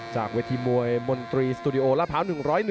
จากเวทีมวยมนตรีสตูดิโอลาพร้าว๑๐๑